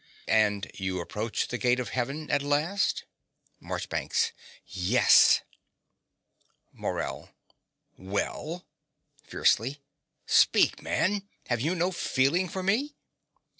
And you approached the gate of Heaven at last? MARCHBANKS. Yes. MORELL. Well? (Fiercely.) Speak, man: have you no feeling for me?